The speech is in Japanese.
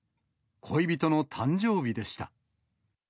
恋人の誕生日でした。